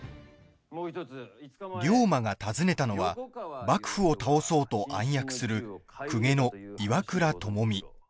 龍馬が訪ねたのは幕府を倒そうと暗躍する公家の岩倉具視。